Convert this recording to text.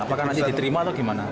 apakah nanti diterima atau gimana